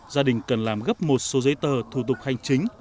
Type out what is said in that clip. gia đình cần làm gấp một số giấy tờ thủ tục hành chính